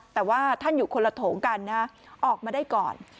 แต่ว่าท่านอยู่คนละโถงกันนะออกมาได้ก่อน